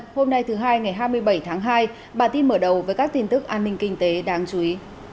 hôm nay thứ hai ngày hai mươi bảy tháng hai bản tin mở đầu với các tin tức an ninh kinh tế đáng chú ý